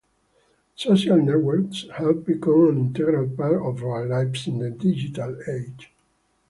Social networks have become an integral part of our lives in the digital age.